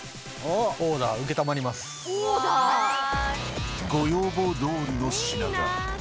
オーダー、ご要望どおりの品が。